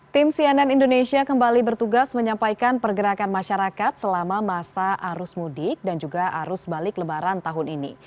tim cnn indonesia kembali bertugas menyampaikan pergerakan masyarakat selama masa arus mudik dan juga arus balik lebaran tahun ini